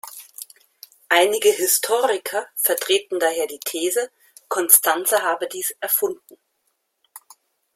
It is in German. Einige Historiker vertreten daher die These, Konstanze habe dies erfunden.